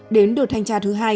đến đợt thanh tra thứ hai